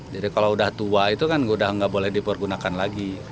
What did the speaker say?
jadi kalau udah tua itu kan udah nggak boleh dipergunakan lagi